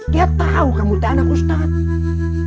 dia tahu kamu udah anak ustadz